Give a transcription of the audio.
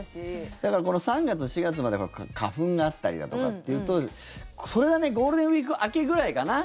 だから、３月、４月まで花粉があったりだとかっていうとそれが、ゴールデンウィーク明けぐらいかな。